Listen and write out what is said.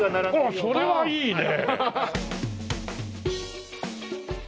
ああそれはいいね！